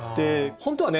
本当はね